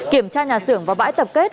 kiểm tra nhà xưởng và bãi tập kết